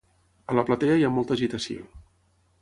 A la platea hi ha molta agitació.